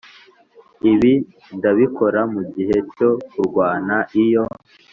ibi ndabikora mugihe cyo kurwana iyo